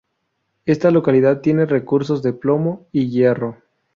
Esta localidad tiene recursos de plomo y hierro.